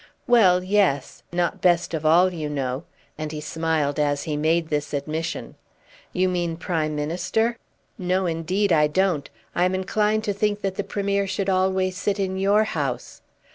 "Well; yes; not best of all, you know," and he smiled as he made this admission. "You mean Prime Minister?" "No, indeed I don't. I am inclined to think that the Premier should always sit in your House.